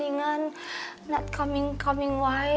tidak datang datang kenapa